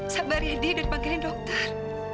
sabar ya di dan panggilin dokter